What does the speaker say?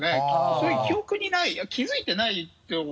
そういう記憶にないあっ気づいてない。